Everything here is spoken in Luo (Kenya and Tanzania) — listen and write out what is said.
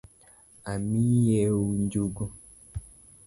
Amiyie njugu?